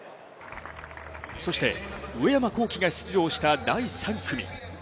そして、上山紘輝が出場した第３組。